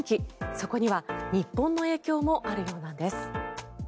そこには日本の影響もあるようなんです。